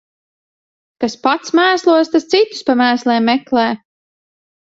Kas pats mēslos, tas citus pa mēsliem meklē.